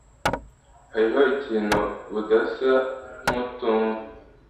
Hariho ikintu udasa nkutumva.